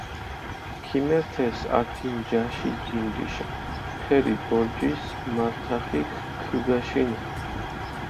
ქიმერთეს ართი ნჯაში ჯინჯიშა, ფერი ბორჯისჷ მართახიქჷ ქჷგაშინჷ.